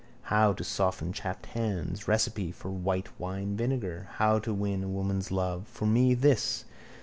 How to soften chapped hands. Recipe for white wine vinegar. How to win a woman's love. For me this.